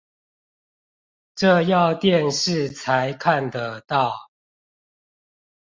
這要電視才看得到